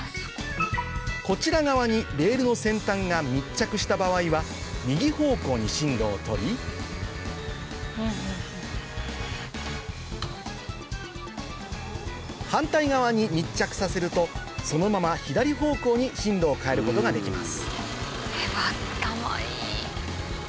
こちら側にレールの先端が密着した場合は右方向に進路を取り反対側に密着させるとそのまま左方向に進路を変えることができます